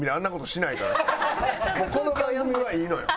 俺この番組はいいのよ。